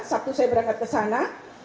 sabtu saya berangkat ke sana